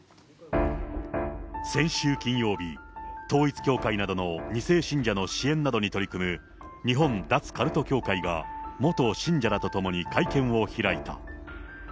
先週金曜日、統一教会などの２世信者の支援などに取り組む日本脱カルト協会が、元信者らと共に会見を開いた。